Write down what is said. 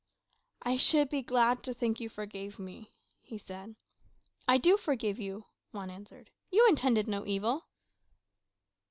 "I should be glad to think you forgave me," he said. "I do forgive you," Juan answered. "You intended no evil."